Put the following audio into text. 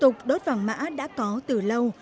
tục đốt vàng mã đã có từ lâu